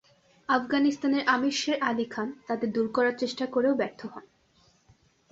আফগানিস্তানের আমির শের আলি খান তাদের দূর করার চেষ্টা করেও ব্যর্থ হন।